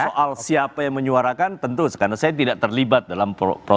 soal siapa yang menyuarakan tentu karena saya tidak terlibat dalam proses